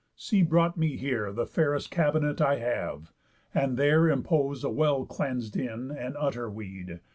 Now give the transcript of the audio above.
See brought me here The fairest cabinet I have, and there Impose a well cleans'd in, and utter, weed.